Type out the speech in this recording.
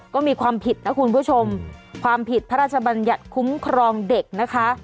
ก็มีความผิดนะคุณผู้ชมความผิดพระราชบัญญัติคุ้มครองเด็กนะคะ